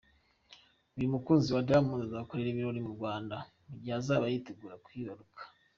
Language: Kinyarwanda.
Uyu mukunzi wa Diamond azakorera ibirori mu Rwanda mu gihe azaba yitegura kwibaruka.